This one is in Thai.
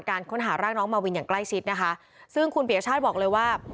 ค้นหาร่างน้องมาวินอย่างใกล้ชิดนะคะซึ่งคุณปียชาติบอกเลยว่า